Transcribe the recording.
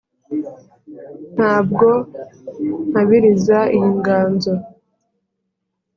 ntabwo nkabiriza iyi nganzo